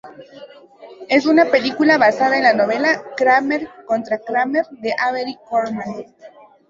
Es una película basada en la novela "Kramer contra Kramer" de Avery Corman.